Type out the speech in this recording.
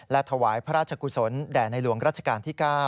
และถวายพระราชกุศลแด่ในหลวงรัชกาลที่๙